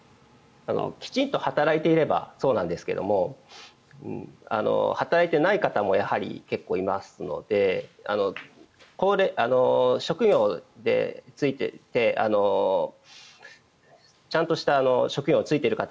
きちんと働いていればそうなんですが働いていない方もやはり結構いますのでちゃんとした職業に就いている方